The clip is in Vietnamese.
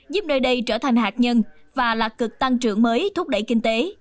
giúp nơi đây trở thành hạt nhân và lạc cực tăng trưởng mới thúc đẩy kinh tế